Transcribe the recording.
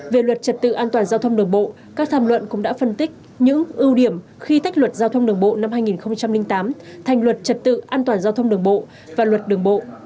về luật trật tự an toàn giao thông đường bộ các tham luận cũng đã phân tích những ưu điểm khi tách luật giao thông đường bộ năm hai nghìn tám thành luật trật tự an toàn giao thông đường bộ và luật đường bộ